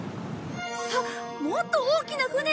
あっもっと大きな船！